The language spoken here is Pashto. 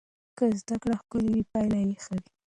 که زده کړه ښکلې وي پایله یې ښه وي.